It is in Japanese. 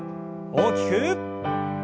大きく。